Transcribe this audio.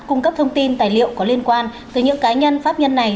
cung cấp thông tin tài liệu có liên quan tới những cá nhân pháp nhân này